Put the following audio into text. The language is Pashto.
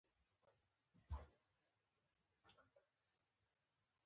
ایا دلته کانتین شته؟